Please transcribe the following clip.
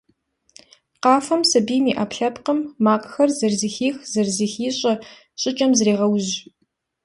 Къафэм сабийм и Ӏэпкълъэпкъым, макъхэр зэрызэхих-зэрызыхищӀэ щӀыкӀэм зрегъэужь.